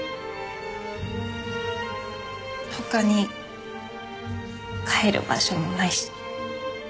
他に帰る場所もないし。